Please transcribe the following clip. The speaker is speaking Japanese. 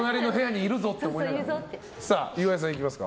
岩井さん、行きますか。